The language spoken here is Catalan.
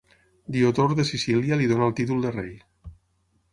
Diodor de Sicília li dóna el títol de rei.